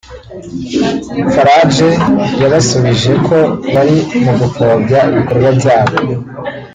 Farage yabasubije ko bari mu “gupfobya” ibikorwa byabo